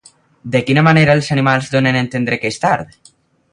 De quina manera els animals donen a entendre que és tard?